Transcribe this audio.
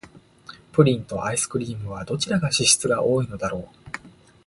プリンとアイスクリームは、どちらが脂質が多いのだろう。